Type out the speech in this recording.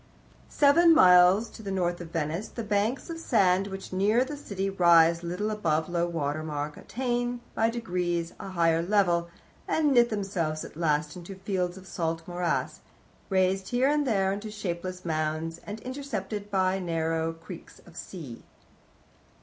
"Seven miles to the north of Venice the banks of sand which nearer the city rise little above low water mark attain by degrees a higher level, and knit themselves at last into fields of salt morass, raised here and there into shapeless mounds, and intercepted by narrow creeks of sea."